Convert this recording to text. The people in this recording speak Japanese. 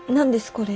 これ。